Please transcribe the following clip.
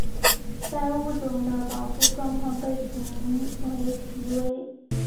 该物种的保护状况被评为极危。